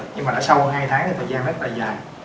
nhưng mà đã sau hơn hai tháng thì thời gian rất là dài